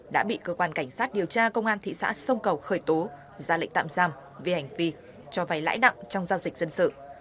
đã bị cơ quan cảnh sát điều tra công an thị xã sông cầu khởi tố ra lệnh tạm giam về hành vi cho vay lãi nặng trong giao dịch dân sự